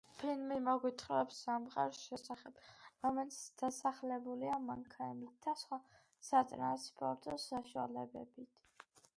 ფილმი მოგვითხრობს სამყაროს შესახებ, რომელიც დასახლებულია მანქანებითა და სხვა სატრანსპორტო საშუალებებით.